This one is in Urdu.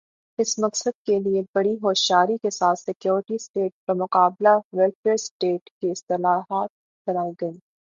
اس مقصد کے لئے بڑی ہوشیاری کے ساتھ سیکورٹی سٹیٹ بمقابلہ ویلفیئر سٹیٹ کی اصطلاحات بنائی گئیں۔